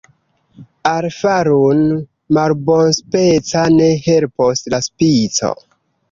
Al farun' malbonspeca ne helpos la spico.